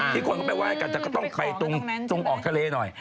คนก็ไปไห้กันแต่ก็ต้องไปตรงออกทะเลหน่อย